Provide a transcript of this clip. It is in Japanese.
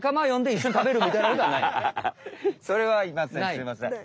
それはいません。